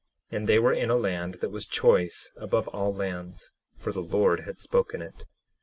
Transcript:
And they were in a land that was choice above all lands, for the Lord had spoken it.